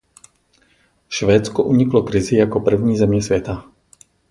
Švédsko uniklo krizi jako první země světa.